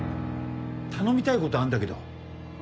頼みたいことあんだけど。